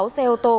sáu xe ô tô